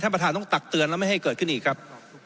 ประธานต้องตักเตือนแล้วไม่ให้เกิดขึ้นอีกครับ